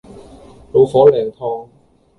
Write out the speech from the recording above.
老火靚湯